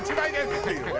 っていうね。